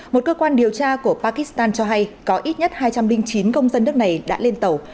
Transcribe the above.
một cơ quan điều tra của pakistan cho hay có ít nhất hai trăm linh chín công dân nước này đã lên tàu